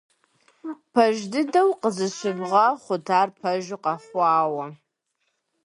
Пэж дыдэу, къызыщывгъэхъут ар пэжу къэхъуауэ.